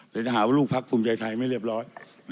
เรียกข่าวว่าลูกพักภูมิใจไทยไม่เรียบร้อย